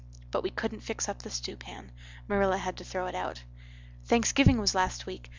But we couldent fix up the stewpan. Marilla had to throw it out. Thanksgiving was last week.